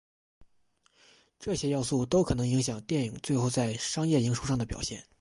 这些要素都可能影响电影最后在商业营收上的表现。